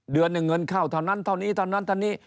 เดือนหนึ่งเงินเข้าเท่านั้นเท่านี้เท่านั้นเท่านี้